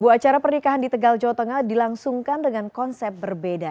bu acara pernikahan di tegal jawa tengah dilangsungkan dengan konsep berbeda